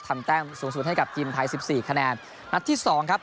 ทำแต้มสูงสูงให้กับจีนถ่ายสิบสี่คะแนนแรกหน้าที่สองครับ